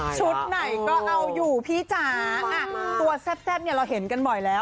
ชุดไหนก็เอาอยู่พี่จ๋างอ่ะตัวแซปแซปเนี้ยเราเห็นกันบ่อยแล้ว